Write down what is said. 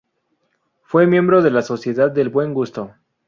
Fue miembro de la Sociedad del Buen Gusto.